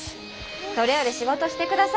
それより仕事してください。